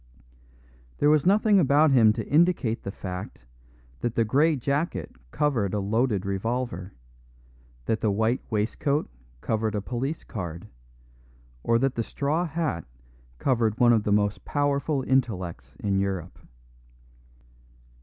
There was nothing about him to indicate the fact that the grey jacket covered a loaded revolver, that the white waistcoat covered a police card, or that the straw hat covered one of the most powerful intellects in Europe.